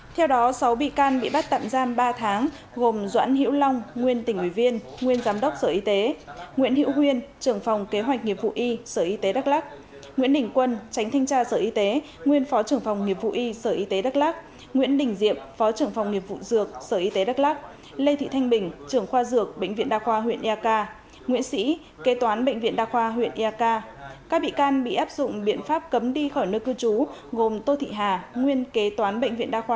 theo đó sáu bị can bị bắt tạm giam ba tháng gồm doãn hiễu long nguyên tỉnh ủy viên nguyên giám đốc sở y tế nguyễn hiễu huyên trưởng phòng kế hoạch nghiệp vụ y sở y tế đắk lắc nguyễn đình quân tránh thanh tra sở y tế nguyên phó trưởng phòng nghiệp vụ y sở y tế đắk lắc nguyễn đình diệm phó trưởng phòng nghiệp vụ dược sở y tế đắk lắc lê thị thanh bình trưởng khoa dược bệnh viện đa khoa huyện ea ca nguyễn sĩ kế toán bệnh viện đa khoa